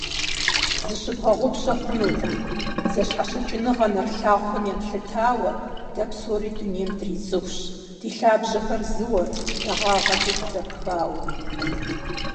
Зыщыбгъэгъупщэ хъунукъым: зэщхьэщыкӀыныгъэ нэрылъагъухэм емылъытауэ, дэ псори дунейм дрицӀыхущ, ди лъабжьэхэр зыуэ, благъагъэкӀэ дызэпхауэ.